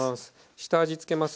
下味つけます。